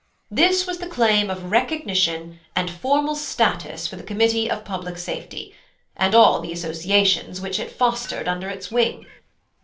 This was the claim of recognition and formal status for the Committee of Public Safety, and all the associations which it fostered under its wing.